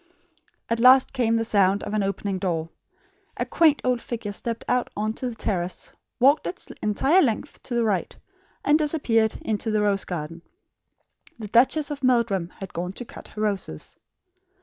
At last came the sound of an opening door. A quaint old figure stepped out on to the terrace, walked its entire length to the right, and disappeared into the rose garden. The Duchess of Meldrum had gone to cut her roses.